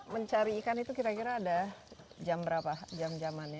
mencari ikan itu kira kira ada jam berapa jam jamannya